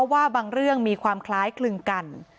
ว่าบางเรื่องมีความคล้ายคลึงกัน